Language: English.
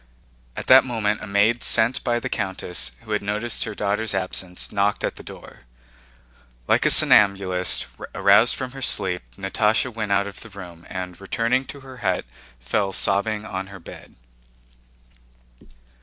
At that moment a maid sent by the countess, who had noticed her daughter's absence, knocked at the door. Like a somnambulist aroused from her sleep Natásha went out of the room and, returning to her hut, fell sobbing on her bed.